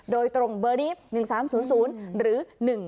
โดยตรงเบอร์ดีฟ๑๓๐๐หรือ๑๔